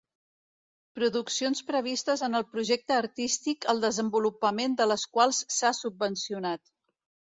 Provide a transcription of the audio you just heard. Produccions previstes en el projecte artístic el desenvolupament de les quals s'ha subvencionat.